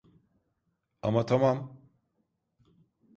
Ama tamam.